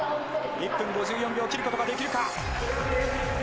１分５４秒を切ることができるか。